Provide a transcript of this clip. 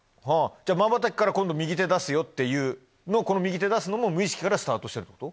じゃまばたきから今度右手出すよっていうこの右手出すのも無意識からスタートしてるってこと？